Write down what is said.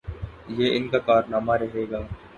یہ ان کا کارنامہ رہے گا۔